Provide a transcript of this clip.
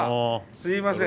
すみません。